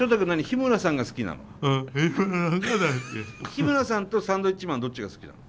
日村さんとサンドウィッチマンどっちが好きなの？